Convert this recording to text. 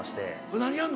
何やんの？